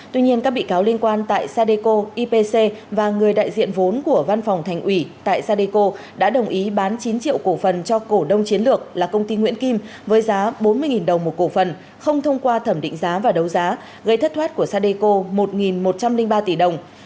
tuy nhiên các bị cáo liên quan tại sadeco ipc và người đại diện vốn của văn phòng thành ủy tại sadeco đã đồng ý bán chín triệu cổ phần cho cổ đông chiến lược là công ty nguyễn kim với giá bốn mươi đồng một cổ phần không thông qua thẩm định giá và đấu giá gây thất thoát của sadeco một một trăm linh ba tỷ đồng